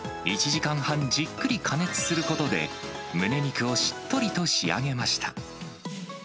１時間半、じっくり加熱することで、むね肉をしっとりと仕上げました。